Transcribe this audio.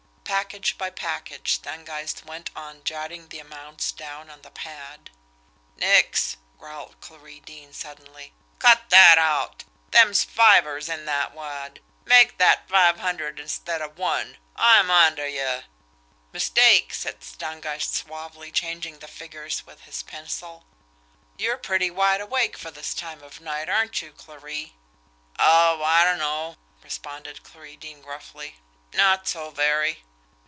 Package by package, Stangeist went on jotting the amounts down on the pad. "Nix!" growled Clarie Deane suddenly. "Cut that out! Them's fivers in that wad. Make that five hundred instead of one I'm onter yer!" "Mistake," said Stangeist suavely, changing the figures with his pencil. "You're pretty wide awake for this time of night, aren't you, Clarie?" "Oh, I dunno!" responded Clarie Deane gruffly. "Not so very!"